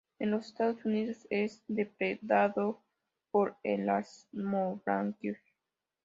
En los Estados Unidos es depredado por elasmobranquios.